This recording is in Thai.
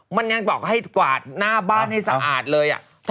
มันยังบอกให้กวาดหน้าบ้านให้สะอาดเลย